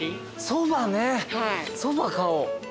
そばねそば買おう。